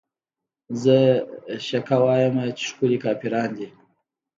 زه شکه وايمه چې ښکلې کافران دي